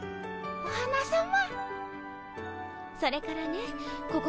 お花さま。